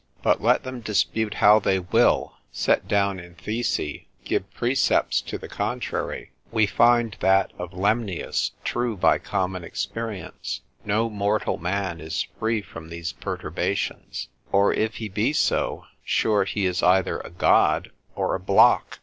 But let them dispute how they will, set down in Thesi, give precepts to the contrary; we find that of Lemnius true by common experience; No mortal man is free from these perturbations: or if he be so, sure he is either a god, or a block.